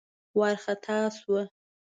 وار خطا شوه.